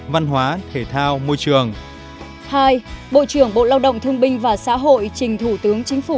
hai bộ trưởng bộ lao động thương binh và xã hội trình thủ tướng chính phủ